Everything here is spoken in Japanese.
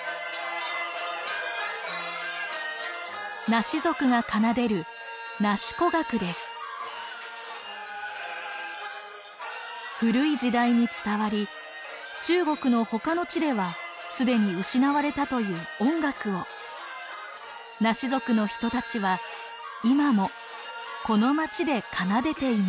ナシ族が奏でる古い時代に伝わり中国のほかの地では既に失われたという音楽をナシ族の人たちは今もこの町で奏でています。